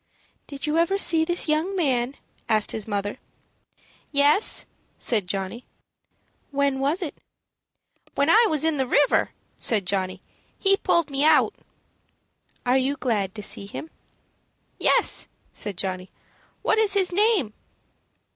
"Did you ever see this young man?" asked his mother. "Yes," said Johnny. "When was it?" "When I was in the river," said Johnny. "He pulled me out." "Are you glad to see him?" "Yes," said Johnny. "What is his name?"